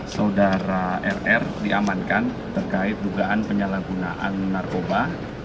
saudara rr diamankan terkait dugaan penyalahgunaan narkoba